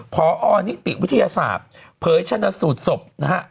พอไวที่ธิศาสตร์เผยชนะสุดสมนะฮะ